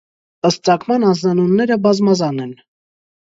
Ըստ ծագման՝ անձնանունները բազմազան են։